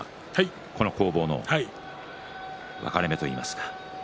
この攻防の分かれ目といいますか。